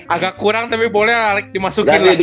agak kurang tapi boleh dimasukin lagi